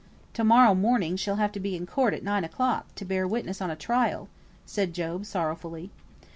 "To morrow morning she'll have to be in court at nine o'clock, to bear witness on a trial," said Job, sorrowfully.